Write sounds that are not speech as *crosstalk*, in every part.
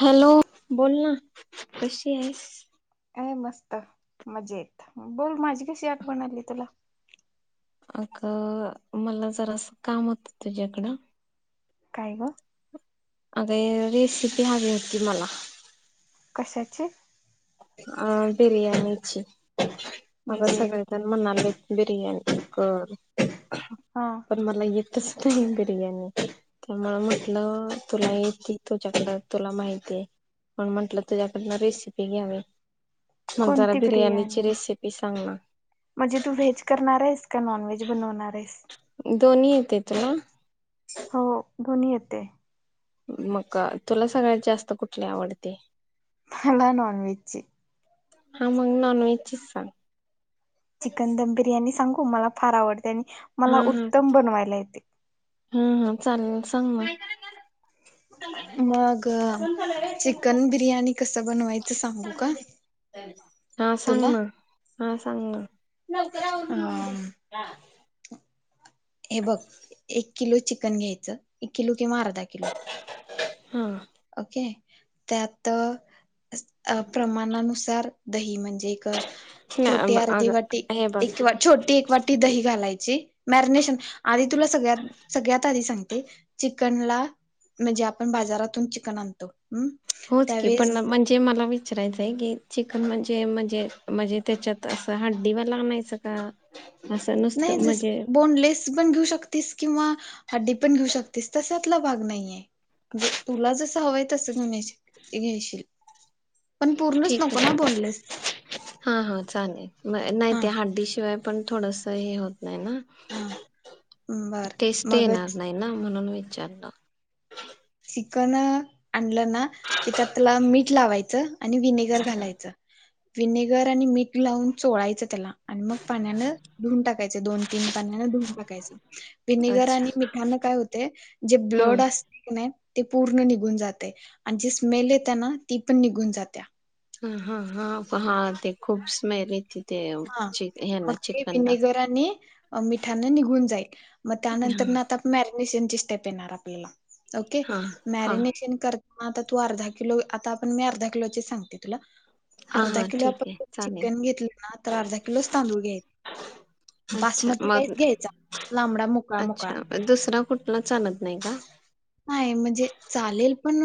Hello बोल ना, कशी आहेस? काय मस्त मजेत बोल माझी कशी आठवण आली तुला? अग मला जरासं काम होतं तुझ्याकडं. काय ग? अग ये रेसिपी हवी होती मला. कशाची अ बिर्याणीची अगं म्हणजे सगळे जन म्हणालेत बिर्याणी कर हा पण मला येतच नाही बिर्याणी त्यामुळं म्हटलं तुला येती तुझ्याकड तुला माहितीय पण म्हंटलं तुझ्याकडन रेसिपी घ्यावी मग जरा कोणती बिर्याणीची बिर्याणी रेसिपी सांग ना म्हणजे तू व्हेज करणार आहेस का नॉन व्हेज? बनणार आहेस दोन्ही येते तुला हो दोन्ही येतय मग अ तुला सगळ्यात जास्त कुठली आवडते? मला नॉन व्हेज ची हा मग नॉन व्हेज चीच सांग चिकन दम बिर्याणी सांगू मला फार आवडते आणि मला उत्तम बनवायला येते हम्म हम चालेल सांग ना हा मग चिकन बिर्याणी कस बनवायचं सांगू का? हा सांग तुला ना हा सांग ना अ *unintelligible* हे बघ एक किलो चिकन घ्यायचं एक किलो किंवा अर्धा किलो हा ओके त्यात अ अ प्रमाणानुसार दही म्हणजे एक छोटी नाही अग अर्धी वाटी, हे बघ एक वाटी छोटी एक वाटी दही घालायची मॅरिनेशन आधी तुला सगळ्यात सगळ्यात आधी सांगते चिकन ला म्हणजे आपण बाजारातून चिकन आणतो हम होच की पण म्हण ते मला विचारायचं की चिकन म्हणजे म्हणजे म्हणजे त्याच्यात अस हड्डी वाल आणायचं का असं नाही नुसतं म्हणजे जसं बोनलेस कस पण घेऊ शकतीस किंवा हड्डी पण घेऊ शकतीस तशातला भाग नाहीये जे तुला जसं हवंय तसं घेऊन येशील पण पूर्णच ठीक नको ना आहे बोनलेस हा हा चालेल म नाही हा ते हड्डी शिवाय पण थोडस हे होत नाही ना हा बर टेस्ट मग येणार नाही ना म्हणून विचारलं चिकन आणलं ना त्यात त्याला मीठ लावायचं आणि विनेगर घालायचं विनेगर आणि मीठ लावून चोळायचं त्याला आणि मग पाण्यानं धुऊन टाकायचं दोन तीन पाण्यान धुऊन टाकायचं विनेगर अच्छा आणि मिठान काय होतय जे ब्लड हम्म असते की नाही ते पूर्ण निघून जातय आणि जी स्मेल येत्या ना ती पण निघून जात्या हा हा हा प हा ते खूप स्मेल येती हा मग ते विनेगर आणि अ मिठाने निघून जाईल मग त्या नंतर ना आता मॅरेनिशन ची स्टेप येणार आपल्याला ओके हा हा मॅरेनिशन कर आता तू अर्धा किलो आता आपण मी अर्धा किलो ची सांगते तुला हा अर्धा हा किलो ठीक आहे आपण चालेल चिकन घेतलं ना तर अर्धा किलोच तांदूळ घ्यायच अच्छा बासमती राईस मग घ्यायचा लांबडा मोकळा मोकळा अच्छा दुसरा कुठला चालत नाही का नाही म्हणजे चालेल पण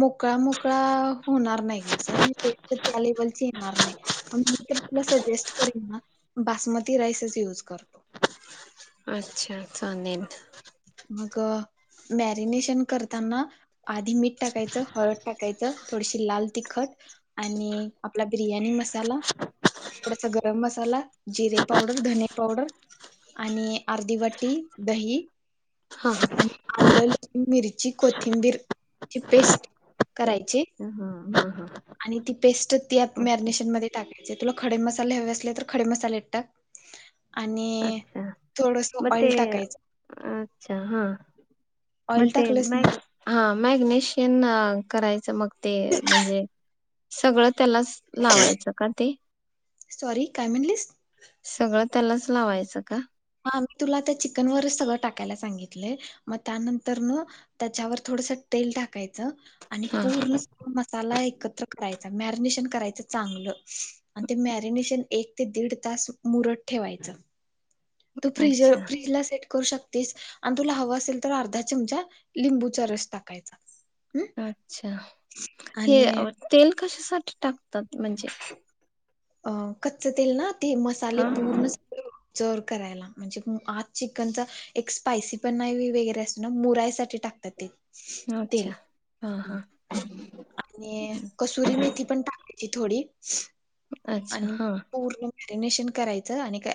मोकळा मोकळा होणार नाही ग असं आणि ते तर त्या लेवलची येणार नाही. पण मी तर तुला सजेस्ट करीन ना बासमती राईस च युज करतो. अच्छा चालेल. मग मॅरिनेशन करताना आधी मीठ टाकायचं हळद टाकायचं थोडीशी लाल तिखट आणि आपला बिर्याणी मसाला थोडासा गरम मसाला, जिरे पावडर, धने पावडर आणि अर्धी वाटी दही हा आणि आलं लसूण मिरची कोथिंबीरची पेस्ट करायची हा हा हा आणि ती पेस्ट त्या ओके मॅरिनेशन मध्ये टाकाय म्हणजे तुला खडे मसाले हवे असले तर खडे मसाले टाक आणि अच्छा थोडस मग ऑइल टाकायचं. अच्छा हा. मग ऑइल ते टाकलंस मॅ ना हा मॅग्नेशिअन करायचं मग ते म्हणजे सगळं त्यालाच लावायचं का ते सॉरी काय म्हणलीस? सगळं त्यालाच लावायचं का? हा मी तुला त्या चिकन वरच सगळं टाकायला सांगितलंय मग त्यानंतरन त्याच्यावर थोडस तेल टाकायचं आणि हा पूर्ण मसाला एकत्र करायचा, मॅरिनेशन करायचं चांगलं आणि ते मॅरिनेशन एक ते दीड तास मुरत ठेवायचं. तू फ्रीजर अच्छा फ्रीजला सेट करू शक तेस आणि तुला हवं असेल तर अर्धा चमचा लिंबूचा रस टाकायचा. हम् अच्छा! हे आणि तेल कशासाठी टाकतात म्हणजे अ कच्च तेल ना ते मसाले हा पूर्ण जोर करायला म्हणजे म आज चिकनचा एक स्पायसी पण नाही वगरै असत ना मुरायसाठी टाकतात ते अच्छा तेल हा हम्म. हा. आणि कसुरी मेथी पण टाकायची थोडी अच्छा आणि हा पूर्ण मॅरिनेशन करायचं आणि काय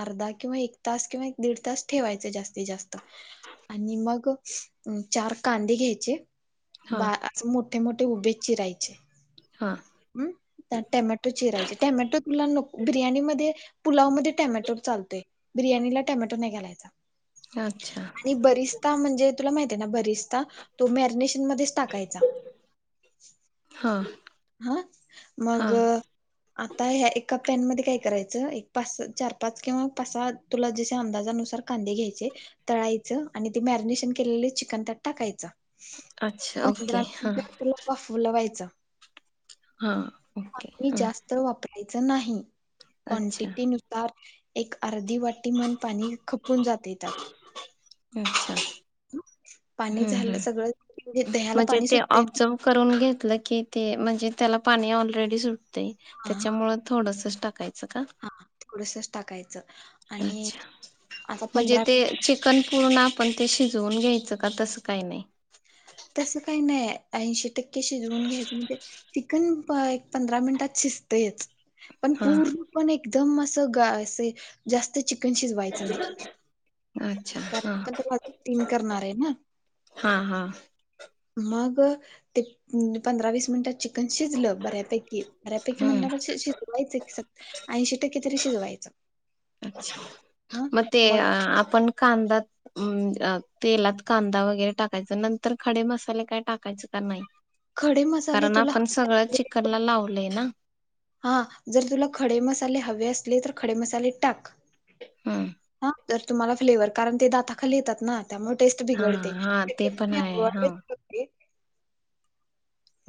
अर्धा किंवा एक तास किंवा दीड तास ठेवायचं जास्तीत जास्त आणि मग चार कांदे घ्यायचे हा बा मोठे मोठे उभे चिरायचे हा. ह टॅमॅटो चिरायचे टॅमॅटो तुला नको बिर्याणीमध्ये पुलावमध्ये टॅमॅटो चालतोय बिर्याणीला टॅमॅटो नाही घालायचा. अच्छा! आणि बरिस्ता म्हणजे तुला माहित आहे ना बरिस्ता तो मॅरिनेशन मध्येच टाकायचा. हा. हा हा मग आता ह्या एका पॅन मध्ये काय करायचं एक पाच चार पाच किंवा पाच सहा तुला जसे अंदाजानुसार कांदे घ्यायचे तळायचं आणि ते मॅरिनेशन केलेले चिकन त्यात टाकायचं. अच्छा ओके पंधरा हा मिनिट त्याला वाफवल व्हायचं. हा. ओके पानी हा जास्त वापरायच नाही, अच्छा क्वांटिटी नुसार एक अर्धी वाट वाटी मन पाणी खपून जात त्यात. अच्छा पाणी हम्म झालं हम्म सगळं. दह्याला म्हणजे पाणी ते सुटतेयनी. ऑब्झर्व करून घेतलं की ते म्हणजे त्याला पाणी ऑलरेडी सुटते. हा त्याच्यामुळे थोडसच टाकायचं का? हा थोडस टाकायचं. आणि अच्छा, आता म्हणजे पंधरा ते ची चिकन पूर्ण आपण ते शिजवून घ्यायचं का? तसं काही नाही. तस काही नाही. ऐंशी टक्केशी शिवाऊन घ्यायचं म्हणजे कण एक पंधरा मिनिटात शिजतयच. पण हा पूर्ण पण एकदम ग असे जास्त चिकन शिजवायच नाही. *inaudible* कारण आ ते माझ तीन करणारे ना. हा हा मग ते पंधरा वीस मिनिटात चिकन शिजलं. बऱ्यापैकी. बऱ्यापैकी हम्म म्हणण्यापेक्षा शिजवायचं. ऐंशी टक्के तरी शिजवायचं. मग ते आपण कांदा अ तेलात कांदा वगैरे टाकायचा. नंतर खडे मसाले काय टाकायच का नाही? खडे मसाले कारण तुला आपण सगळं चिकनला लावलंय ना. हा जर तुला खडे मसाले हवे असले, तर खडे मसाले टाक. हम्म. हा, तर तुम्हाला फ्लेवर. कारण ते दाताखाली येतात ना. त्यामुळे मग टेस्ट हा बिघडते. हा ते पण आहे हा. *unintelligible*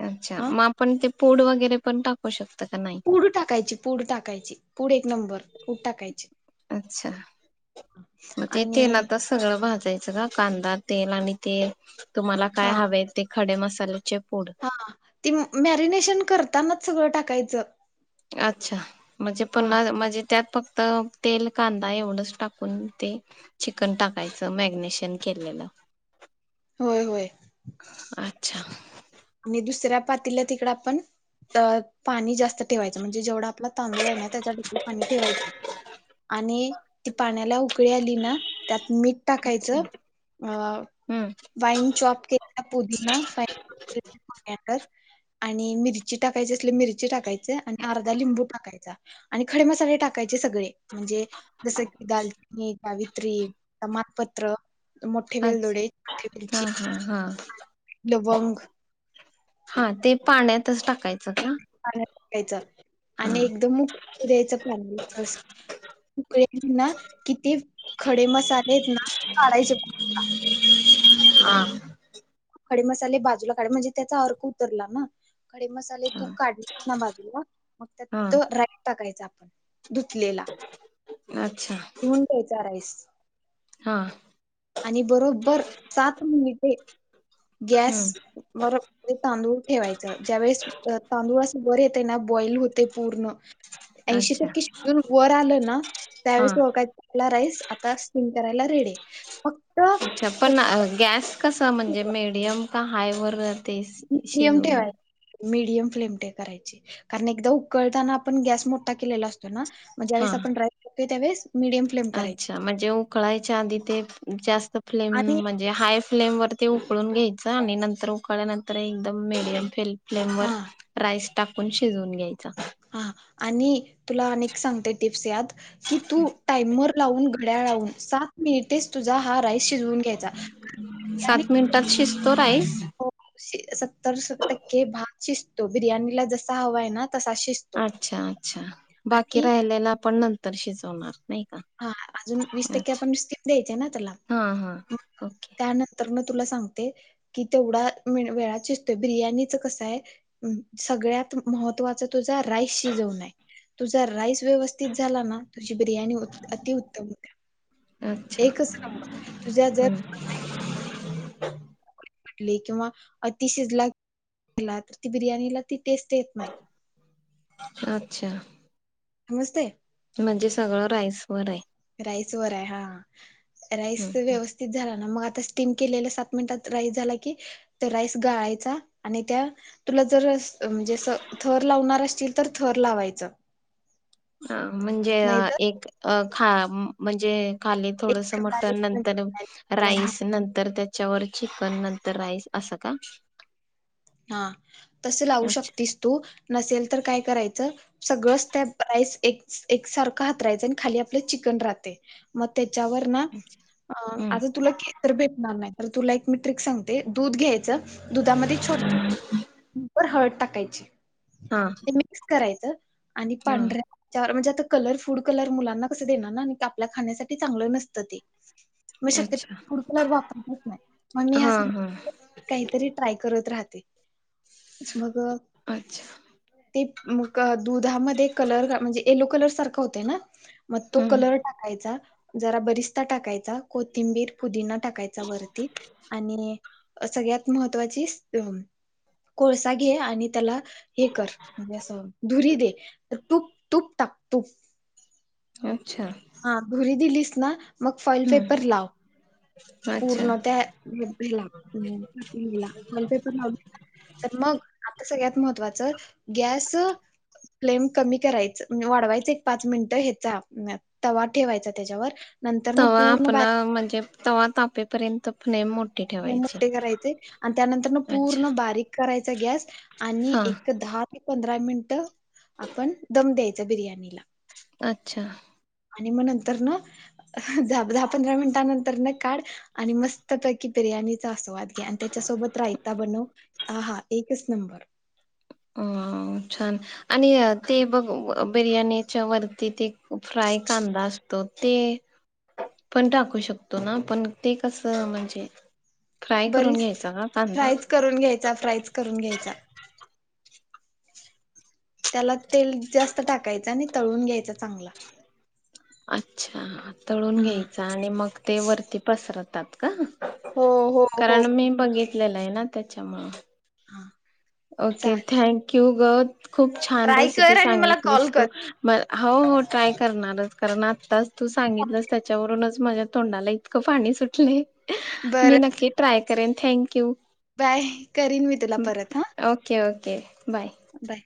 अच्छा हा मग आपण ते पूड वगैरे पण टाकू शकत का नाही? पुड टाकायची. पूड टाकायची. पुड एक नंबर. पुड टाकायची. अच्छा मग ते आणि तेलातच सगळं भाजयचं का? कांदा तेल आणि ते तुम्हाला काय हा हवेत. ते खडे मसाल्याचे पूड. हा. ती मॅरिनेशन करतानाच सगळं टाकायचं. अच्छा म्हणजे हा पुन्हा म्हणजे त्यात फक्त तेल कांदा एवढंच टाकून ते चिकन टाकायचं? मॅगनेशन केलेलं? होय होय. अच्छा! आणि दुसऱ्या पातेल्यात ईकड आपण त पाणी जास्त ठेवायचं. म्हणजे जेवढा आपला तांदूळे ना त्याच्या ठीक पाणी ठेवायचं. आणि ती पाण्याला उकळी आली ना, त्यात मीठ अच्छा टाकायचं. अ हम्म वाईन चॉप केल्या पुदीना फा मोन्यागर आणि मिरची टाकायची असली. मिरची टाकायची. आणि अर्धा लिंबू टाकायचा. आणि खडे मसाले टाकायचे सगळे. म्हणजे जस की दालचिनी, सावित्री, तमानपत्र. मोठे अच्छा वेलदोडे, छठे, वेलची हा हा हा. लवंग. हा ते पाण्यातच टाकायचं का? पाण्यात टाकायच हा आणि एकदम उकळू द्यायच फॅम व अस उकळी आली ना. कि ते खडे मसालेयेत ना. काडायचे. हा खडे मसाले बाजूला काढ. म्हणजे त्याचा अर्क उतरला ना. खडे मसाले तू हा काढलेत ना, बाजूला मग त्यात हा तो राईस टाकायच आपण, धुतलेला. अच्छा! धुवून घ्यायचा राईस हा. आणि बरोबबर सात मिनिटे गॅस हम्म *unintelligible* तांदूळ ठेवायचं. ज्यावेळीस तांदूळ अस वर येतय ना बॉईल होते पूर्ण अच्छा *unintelligible* वर आलं ना हा त्यावेळेस ओळखायच आपला राईस आता सिम करायला रेडी फक्त अच्छा, पण गॅस कसं म्हणजे मीडियम का हाय वर ते मीडियम शिजवून घे. ठेवायची मीडियम फ्लेम ते करायची कारण एकदा उकळताना आपण गॅस मोठा केलेला असतो ना, हा *unintelligible* अच्छा! म्हणजे उकळायच्या आधी ते जास्त फ्लेम आणि म्हणजे हाय फ्लेम वरती उकळून घ्यायचं आणि नंतर उकळल्यानंतर एकदम मीडियम फ्लेम फ्लेम वर हा राईस टाकून शिजवून घ्यायचा. हा आणि तुला मी एक सांगते टिप्स यात की, तू टाइमर लावून, घड्याळ लावून सात मिनिटेस तुझा हा राईस शिजवून घ्यायचा. सात मिनिटात शिजतो राईस. हो, सत्तर टक्के भात शिजतो बिर्याणीला जसा हवा आहे ना तसा शिजतो. अच्छा, अच्छा! बाकी आणि राहिल्याला आपण नंतर शिजवणार नाही का? हा अजून वीस टक्के अच्छा आपण स्टिम द्यायची आहे ना त्याला हा हा ओके त्यानंतर तर मी तुला सांगते. कि तेवढा वेळा शिजतोय. बिर्याणीच कसं आहे सगळ्यात महत्त्वाचं तुझा राईस शिजवणे आहे. तुझा राईस व्यवस्थित झाला ना तुझ बिर्याणी अतिउत्तम अच्छा एकच नंबर तुझ्या जर *inaudible* किंवा अति शिजला गेला तर ती बिर्याणीला ती टेस्ट येत नाही. अच्छा! नुसते म्हणजे सगळं राईस वर आहे राईसवर आहे हा राईस हम्म व्यवस्थित झाला ना, मग आता स्टीम केलेला सात मिनिटात राईस झाला की त्या राईस गळायचा आणि त्या तुला जर म्हणजे थर लावणार असतील तर थर लावायचं अ म्हणजे नाही तर एक खा म्हणजे खाली थोडस एक मटण नतंर राईस नंतर त्या त्याच्यावर चिकन नंतर राईस असं का हा तस लावू अच्छा शकतीस तू नसेल तर काय करायचं सगळंच त्या एक एक सारखं हातरायच आणि खाली आपलं चिकन राहतय म त्याच्यावर ना हम्म आता तुला केसर भेटणार नाही तर तुला एक मि ट्रिक सांग ते दूध घ्यायचं दुधामध्ये छोटी चिमुटभर हळद टाकायची हा ते मिक्स करायच आणि हा पांढऱ्या त्यावर म्हणजे आता कलर फूड कलर मुलांना कसं देणार ना, आपल्या खाण्यासाठी चांगलं नसतं ते म शक्यतो अच्छा फूड कलर, वापरतच नाही, मग मी हा असं हा काहीतरी ट्राय करत राहते, मग अच्छा ते, म क दुधामध्ये कलर, म्हणजे येलो कलर सारखं होतय ना? मग तो हम्म कलर टाकायचा, जरा बरिस्ता टाकायचा, कोथिंबीर, पुदिना टाकायचा वरती आणि सगळ्यात महत्वाची, स अ कोळसा घे आणि त्याला हे कर, म्हणजे असं धुरी दे. तुप, तुप टाक, तुप अच्छा. हां, धुरी दिलीस ना, मग फॉईल हम्म पेपर लाव. अच्छा पूर्ण, त्या ह्याला, वॉलपेपर लाव तर मग, आता सगळ्यात महत्त्वाचं, गॅस प्लेम कमी करायच, म्हणजे वाढवायच एक पाच मिनटं, ह्याचा अ तवा ठेवायचा त्याच्यावर नंतर न तवा पूर्ण पन्हा, बारीक म्हणजे तवा तापेपर्यंत, पण ये मो हे मोठे करायचे आण त्यानंतर ण, अच्छा पूर्ण बारीक करायचा, गॅस आणि हा एक-दहा य पंधरा मिनिट, आपण दम द्यायचा, बिर्याणीला. अच्छा. आणि म नंतर न, अ दा-दहा पंधरा मिनिटां नंतर न, काढ आणि मस्त पे की बिर्याणीचा, आस्वाद घ्या आणि त्याच्या सोबत, रायता बनव, आ हा एकच नंबर. अं अं छान. आणि ते बघ, बिर्याणीच्या वरती, ते फ्राय कांदा असतो, ते पण टाकू शकतो ना, पण ते कसं, म्हणजे फ्राय करून बरीस, घ्यायचा का कांदा? फ्रायच करून घ्यायचा, फ्रायच करून घ्यायचा. त्याला, तेल जास्त टाकायचं आणि तळून घ्यायचा, चांगला अच्छा, तळून हा घ्यायचा आणि मग ते वरती पसरतात, का? हो हो हो कारण मी बघितलेलं ना, त्याच्यामुळं हा. ओके, चाल थँकयु गं, खूप छान ट्राय रेसिपी कर आणि मला सांगितलीस, कॉल कर तु म, हो हो ट्राय करणारच, कारण आत्ताच तू सांगितलंस, त्याच्यावरूनच, माझ्या तोंडाला ई तकं पाणी सुटले, मी बरं नक्की ट्राय करेन, थँंक यु. बाय, करीन मी तुला परत, हं. Okay, okay, bye. बाय.